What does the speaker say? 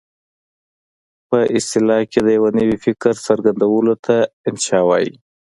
په اصطلاح کې د یوه نوي فکر څرګندولو ته انشأ وايي.